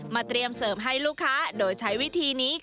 เตรียมเสริมให้ลูกค้าโดยใช้วิธีนี้